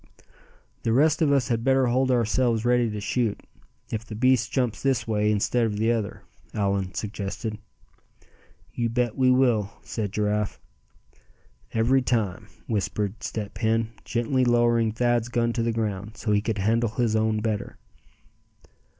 "The rest of us had better hold ourselves ready to shoot, if the beast jumps this way instead of the other," Allan suggested. "You bet we will," said Giraffe. "Every time," whispered Step Hen, gently lowering Thad's gun to the ground, so he could handle his own better.